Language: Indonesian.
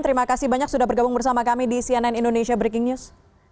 terima kasih banyak sudah bergabung bersama kami di cnn indonesia breaking news